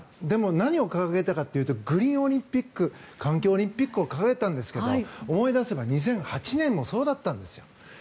でも、何を掲げたかというとグリーンオリンピック環境オリンピックを掲げてたんですが思い出せば２００８年もそうだったんです。